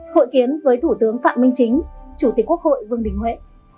hội kiến với thủ tướng phạm minh chính chủ tịch quốc hội vương đình huệ